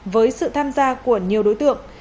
với sự tham gia của nhiều đối tượng